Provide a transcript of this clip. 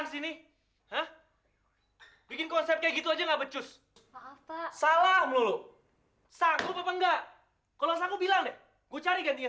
sampai jumpa di video selanjutnya